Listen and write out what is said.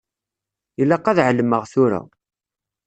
Ilaq ad ɛelmeɣ tura.